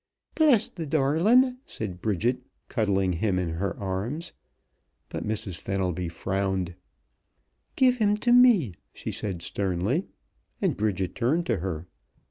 "Bless th' darlin'," said Bridget, cuddling him in her arms, but Mrs. Fenelby frowned. "Give him to me," she said sternly, and Bridget turned to her.